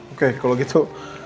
oke kalau gitu